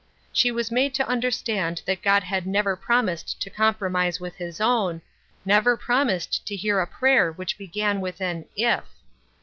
She was made to understand that God had never promised to compromise with his own, never promised to hear a prayer which began with an "if."